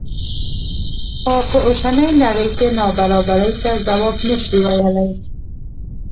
خو په اوسنۍ نړۍ کې نابرابرۍ ته ځواب نه شي ویلی.